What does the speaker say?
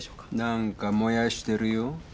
なんか燃やしてるよ。